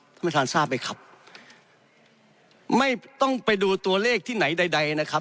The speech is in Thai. ท่านประธานทราบไหมครับไม่ต้องไปดูตัวเลขที่ไหนใดใดนะครับ